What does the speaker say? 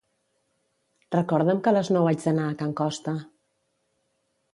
Recorda'm que a les nou haig d'anar a can Costa